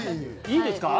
いいですか？